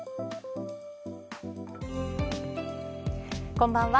こんばんは。